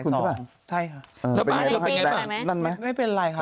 บ้านคุณใช่ป่ะใช่ค่ะแล้วบ้านในเจนแรงไหมไม่เป็นไรค่ะ